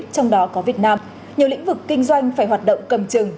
trong đó có việt nam nhiều lĩnh vực kinh doanh phải hoạt động cầm chừng